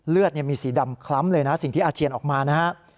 เลือดมีสีดำคล้ำเลยนะสิ่งที่อาเจียนออกมานะครับ